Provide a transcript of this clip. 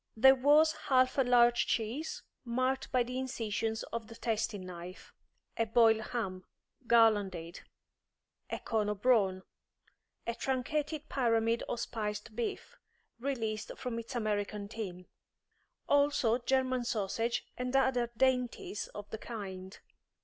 There was half a large cheese, marked by the incisions of the tasting knife; a boiled ham, garlanded; a cone of brawn; a truncated pyramid of spiced beef, released from its American tin; also German sausage and other dainties of the kind.